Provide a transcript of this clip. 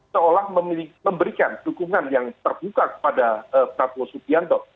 seolah memberikan dukungan yang terbuka kepada prabowo subianto